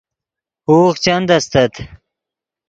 ہوغ چند استت